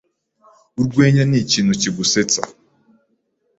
Urwenya nikintu kigusetsa